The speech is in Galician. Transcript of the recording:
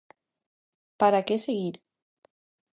Para que seguir?